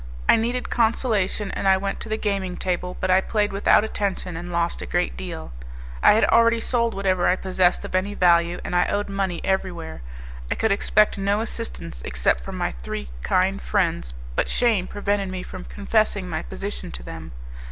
I needed consolation and I went to the gaming table, but I played without attention and lost a great deal. I had already sold whatever I possessed of any value, and I owed money everywhere. I could expect no assistance except from my three kind friends, but shame prevented me from confessing my position to them.